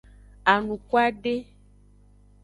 Anukwade.